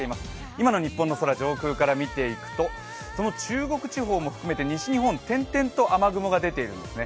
今の日本の空、上空から見ていくと中国地方も含めて西日本、点々と雨雲が出ているんですね。